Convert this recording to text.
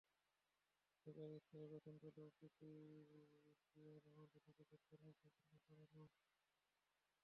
সরকারি স্কেলে বেতন পেলেও বিটিসিএল আমাদের নিজেদের কর্মী হিসেবে গণ্য করে না।